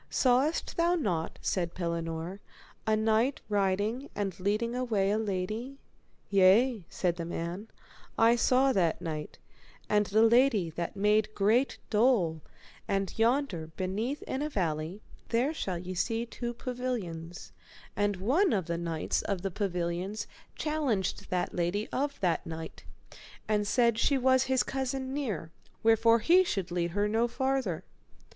Sawest thou not, said Pellinore, a knight riding and leading away a lady? Yea, said the man, I saw that knight, and the lady that made great dole; and yonder beneath in a valley there shall ye see two pavilions, and one of the knights of the pavilions challenged that lady of that knight, and said she was his cousin near, wherefore he should lead her no farther.